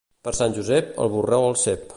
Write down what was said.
Per Sant Josep, el borró al cep.